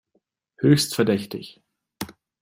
Höchst verdächtig!